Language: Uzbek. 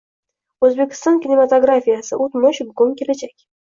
O‘zbekiston kinematografiyasi: o‘tmish, bugun, kelajak